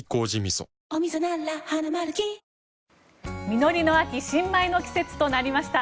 実りの秋新米の季節となりました。